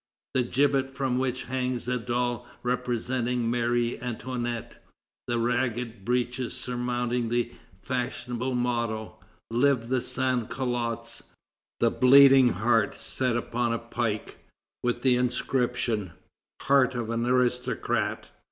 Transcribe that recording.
the gibbet from which hangs a doll representing Marie Antoinette; the ragged breeches surmounting the fashionable motto: "Live the Sans Culottes!"; the bleeding heart set upon a pike, with the inscription, "Heart of an aristocrat!"